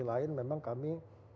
lain memang kami